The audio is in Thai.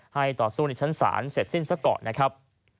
ต่อสู้ในชั้นศาลเสร็จสิ้นซะก่อนนะครับ